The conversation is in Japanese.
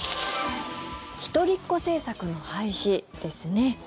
一人っ子政策の廃止ですね。